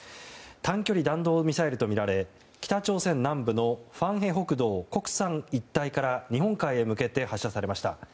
短距離弾道ミサイルとみられ北朝鮮南部のファンヘ北道コクサン一帯から日本海へ向けて発射されました。